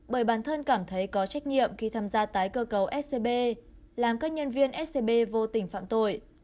bởi bản thân cảm thấy có trách nhiệm khi tham gia tái cơ cấu scb làm các nhân viên scb vô tình phạm tội